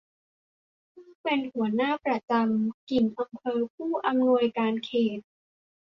ผู้เป็นหัวหน้าประจำกิ่งอำเภอผู้อำนวยการเขต